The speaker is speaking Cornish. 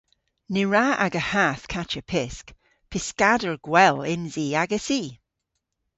Ny wra aga hath kachya pysk. Pyskador gwell yns i agessi!